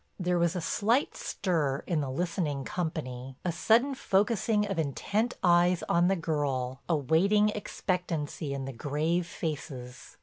There was a slight stir in the listening company, a sudden focusing of intent eyes on the girl, a waiting expectancy in the grave faces.